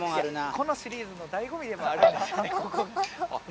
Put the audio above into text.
このシリーズの醍醐味でもあるんですよね